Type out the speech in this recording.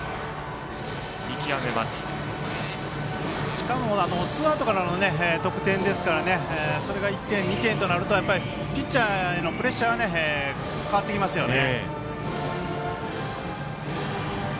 しかもツーアウトからの得点ですからそれが１点、２点となるとピッチャーへのプレッシャーが変わってきますよね。